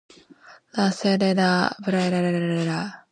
La sede de la parroquia es Ville Platte.